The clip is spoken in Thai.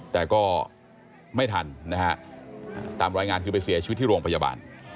แต่ก็ไม่ทันนะฮะตามรายงานคือไปเสียชีวิตที่โรงพยาบาล